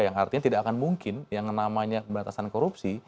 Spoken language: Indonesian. yang artinya tidak akan mungkin yang namanya pemberantasan korupsi